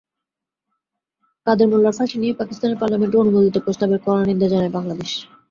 কাদের মোল্লার ফাঁসি নিয়ে পাকিস্তানের পার্লামেন্টে অনুমোদিত প্রস্তাবের কড়া নিন্দা জানায় বাংলাদেশ।